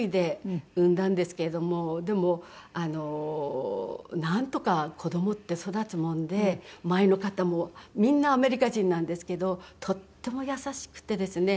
でもなんとか子供って育つもんで周りの方もみんなアメリカ人なんですけどとっても優しくてですね。